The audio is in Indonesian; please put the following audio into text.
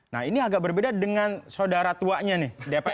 nah ini agak berbeda dengan saudara tuanya ya